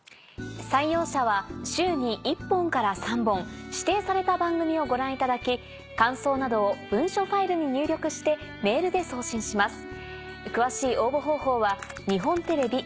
採用者は週に１本から３本指定された番組をご覧いただき感想などを文書ファイルに入力してメールで送信します。